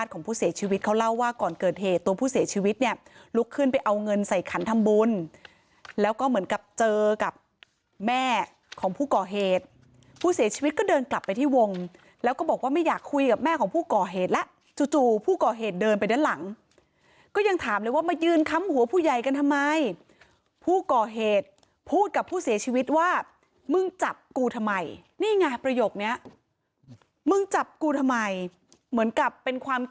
ของผู้เสียชีวิตเขาเล่าว่าก่อนเกิดเหตุตัวผู้เสียชีวิตเนี่ยลุกขึ้นไปเอาเงินใส่ขันทำบุญแล้วก็เหมือนกับเจอกับแม่ของผู้ก่อเหตุผู้เสียชีวิตก็เดินกลับไปที่วงแล้วก็บอกว่าไม่อยากคุยกับแม่ของผู้ก่อเหตุแล้วจู่ผู้ก่อเหตุเดินไปด้านหลังก็ยังถามเลยว่ามายืนค้ำหัวผู้ใหญ่กันทำไมผู้ก่อเหตุพูดก